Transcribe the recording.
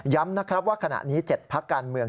ย้ำนะครับว่าขณะนี้๗ภักดิ์การเมือง